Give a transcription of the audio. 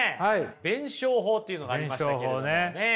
弁証法っていうのがありましたけれどもね。